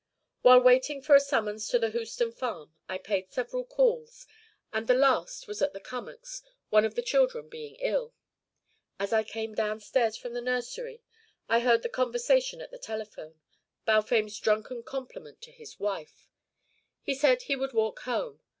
"While waiting for a summons to the Houston farm, I paid several calls, and the last was at the Cummacks', one of the children being ill. As I came downstairs from the nursery I heard the conversation at the telephone Balfame's drunken compliment to his wife. He said he would walk home.